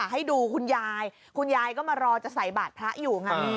ให้ดูคุณยายคุณยายก็มารอจะใส่บาทพระอยู่ไง